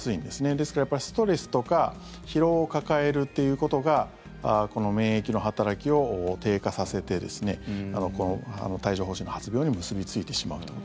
ですから、やっぱりストレスとか疲労を抱えるっていうことが免疫の働きを低下させてこの帯状疱疹の発病に結びついてしまうと。